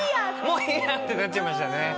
もういいや！ってなっちゃいましたね。